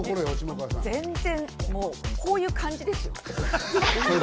全然、こういう感じですよ。